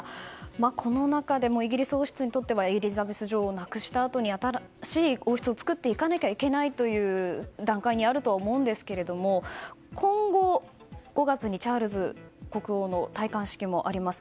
この中でもイギリス王室にとってはエリザベス女王を亡くしたあとに新しい王室を作らなければいけないという段階にあると思うんですが今後５月にチャールズ国王の戴冠式もあります。